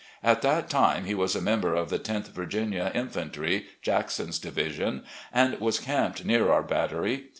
At that time he was a member of the Tenth Virginia Infan try, Jackson's Division, and was camped near our battery.